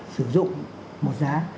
sử dụng một giá